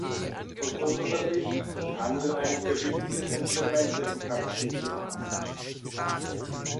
Aus unserer Sicht ist Handel eines der wichtigsten Instrumente im Kampf gegen die Armut.